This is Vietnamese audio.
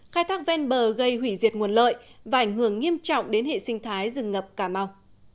khai thác ven bờ gây hủy diệt nguồn lợi và ảnh hưởng nghiêm trọng đến hệ sinh thái rừng ngập cà mau